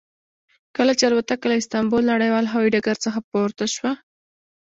کله چې الوتکه له استانبول نړیوال هوایي ډګر څخه پورته شوه.